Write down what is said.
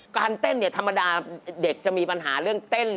การเต้นเนี่ยธรรมดาเด็กจะมีปัญหาเรื่องเต้น